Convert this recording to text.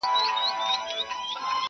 د خوني کونج کي یو نغری دی پکښي اور بلیږي!.